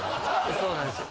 そうなんですよ。